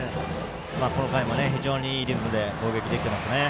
この回も非常にいいリズムで攻撃できていますね。